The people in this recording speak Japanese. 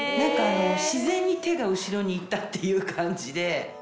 自然に手が後ろに行ったっていう感じで。